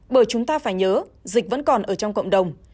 bởi chúng ta phải nhớ dịch vẫn còn ở trong cộng đồng